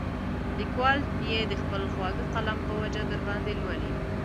لیکوال یې د خپل خواږه قلم په وجه درباندې لولي.